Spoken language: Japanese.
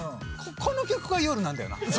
「この曲は夜なんだよな」